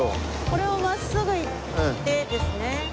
これを真っすぐ行ってですね